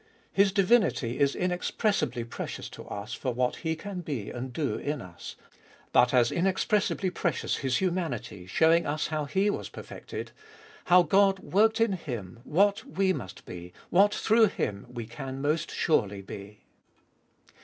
His divinity is inexpressibly precious to us for what He can be and do in us. But as Inexpressibly precious His humanity, showing us how He was perfected, how God worked in Him, what we must be, what through Him we can most surely be.